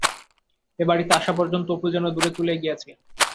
এ বাড়িতে আসা পর্যন্ত অপু যেন দূরে চলিয়া গিয়াছে।